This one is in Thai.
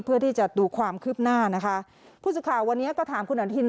เพื่อที่จะดูความคืบหน้านะคะผู้สื่อข่าววันนี้ก็ถามคุณอนุทิน